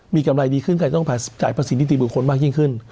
มีกำไรดีขึ้นใครต้องจ่ายภาษีนิติบุคคลมากยิ่งขึ้น